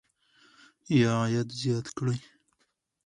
یا عاید زیات کړئ.